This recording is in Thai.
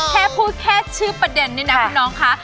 แค่พูดแค่ชื่อประเด็นนี่นะคุณน้องคะ